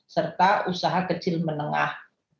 serta usaha kecil menengah